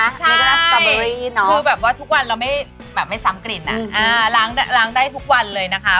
คือแบบทุกวันเราไม่ซ้ำกลิ่นล้างได้ทุกวันเลยนะคะ